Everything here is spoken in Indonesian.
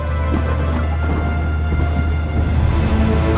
ntar dulu pak